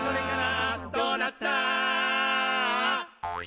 「どうなった？」